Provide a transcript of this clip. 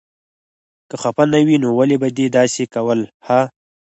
که خفه نه وې نو ولې به دې داسې کول هه.